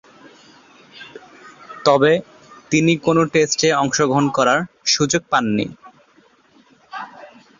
তবে, তিনি কোন টেস্টে অংশগ্রহণ করার সুযোগ পাননি।